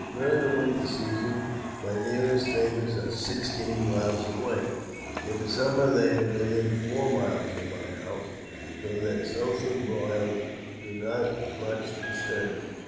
During the winter season my nearest neighbours are sixteen miles away ; in the summer they are within four miles of my house, so that social broils do not much disturb me.